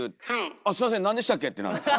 「あっすいません何でしたっけ」ってなるんです。